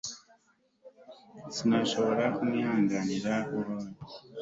Sinashobora kwihanganira ububabare